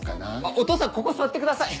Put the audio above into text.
お父さんここ座ってください。